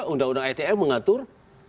undang undang itm mengatur